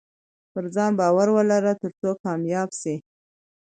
پرځان باور ولره ترڅو کامياب سې